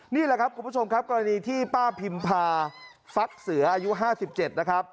นี่แหละครับคุณผู้ชมครับกรณีที่ป้าพิมพาฟักเสืออายุ๕๗นะครับ